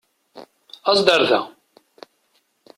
Aẓ-d ar da!